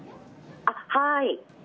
はい。